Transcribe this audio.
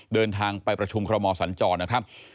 เดินทางไปประชุมคอรมอสัญจรนะครับ